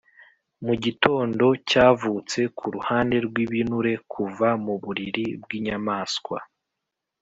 mugitondo cyavutse kuruhande rwibinure, kuva muburiri bwinyamaswa